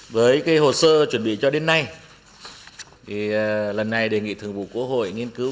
với hồ sơ chuẩn bị cho đến nay lần này đề nghị thường vụ quốc hội nghiên cứu